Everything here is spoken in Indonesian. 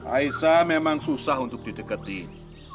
aisa memang susah untuk dideketin